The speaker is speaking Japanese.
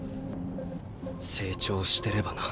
成長してればな。